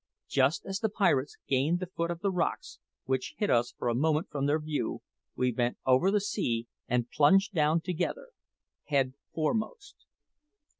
Just as the pirates gained the foot of the rocks, which hid us for a moment from their view, we bent over the sea and plunged down together, head foremost.